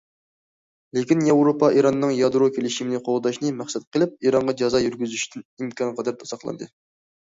لېكىن ياۋروپا ئىراننىڭ يادرو كېلىشىمىنى قوغداشنى مەقسەت قىلىپ، ئىرانغا جازا يۈرگۈزۈشتىن ئىمكانقەدەر ساقلاندى.